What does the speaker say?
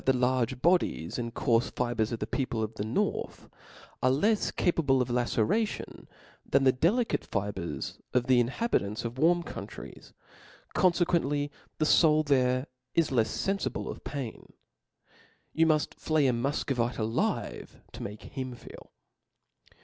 the large bodies and coarfe fibres of the people of the north, are Icfs capable of la ceration than the delicate fibres of the inhabitants of warm countries j confcquently the foul is there lefs fenfible of pain. You muft flay a Mufcovit^ alive to make him feel.